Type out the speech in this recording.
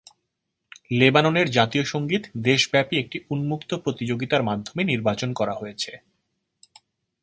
লেবাননের জাতীয় সঙ্গীত দেশব্যাপী একটি উন্মুক্ত প্রতিযোগিতার মাধ্যমে নির্বাচন করা হয়েছে।